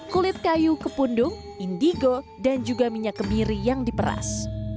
kulit kayu kepundung indigo dan juga minyak kemiri yang diperas